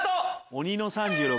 鬼の３６！